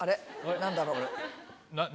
何だろう？